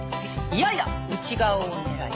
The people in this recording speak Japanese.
やや内側を狙い。